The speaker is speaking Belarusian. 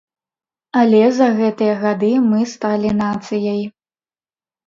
Але за гэтыя гады мы сталі нацыяй.